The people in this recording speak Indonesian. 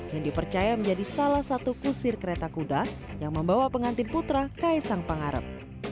yang dipercaya menjadi salah satu kusir kereta kuda yang membawa pengantin putra kaisang pangarep